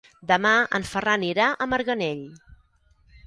Demà en Ferran irà a Marganell.